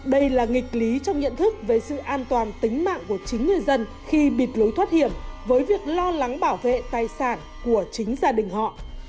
đây là nghịch lý trong nhận thức về sự an toàn tính mạng của chính người dân khi bịt lối thoát hiểm với việc lo lắng bảo vệ tài sản của chính gia đình họ